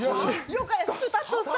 よかった。